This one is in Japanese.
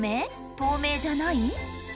透明じゃない？